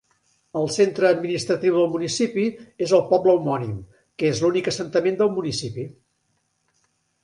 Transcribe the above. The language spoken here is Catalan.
El centre administratiu del municipi és el poble homònim, que és l'únic assentament del municipi.